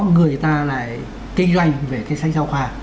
người ta lại kinh doanh về sách giáo khoa